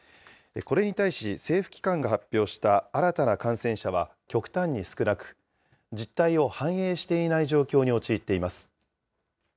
これに対し、政府機関が発表した新たな感染者は極端に少なく、実態を反映していない状況に陥っています。